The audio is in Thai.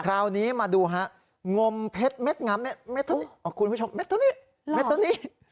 คราวนี้มาดูฮะงมเพชรเม็ดงำอ๋อคุณผู้ชมเม็ดเท่านี้เม็ดเท่านี้